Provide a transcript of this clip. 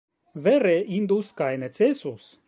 Vere indus kaj necesus!